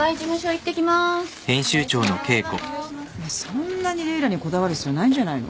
そんなにレイラにこだわる必要ないんじゃないの？